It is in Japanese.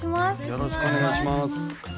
よろしくお願いします。